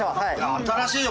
新しいよ